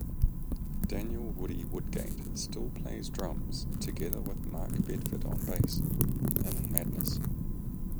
Daniel "Woody" Woodgate still plays drums, together with Mark Bedford on bass, in Madness.